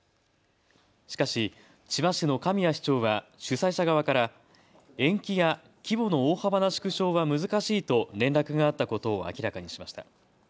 しかし千葉市の神谷市長は主催者側から延期や規模の大幅な縮小は難しいと連絡があったことを明らかにしました。